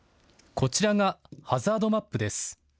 こちらがハザードマップです。